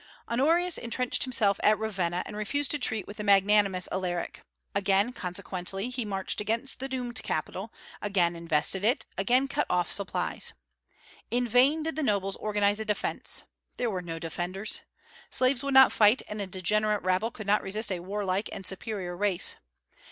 Honorius intrenched himself at Ravenna, and refused to treat with the magnanimous Alaric. Again, consequently, he marched against the doomed capital; again invested it; again cut off supplies. In vain did the nobles organize a defence, there were no defenders. Slaves would not fight, and a degenerate rabble could not resist a warlike and superior race.